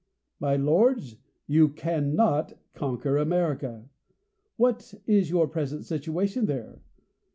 My lords, you CANNOT conquer Amer ica. What is your present situation there